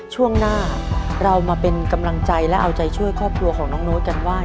ช่วงหน้าเรามาเป็นกำลังใจและเอาใจช่วยครอบครัวของน้องโน้ตกันว่า